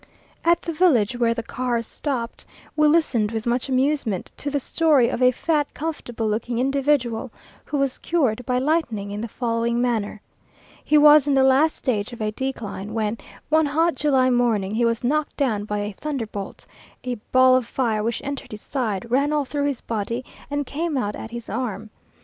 At the village where the cars stopped, we listened with much amusement to the story of a fat, comfortable looking individual, who was cured by lightning in the following manner: He was in the last stage of a decline, when, one hot July morning, he was knocked down by a thunderbolt, a ball of fire, which entered his side, ran all through his body, and came out at his arm.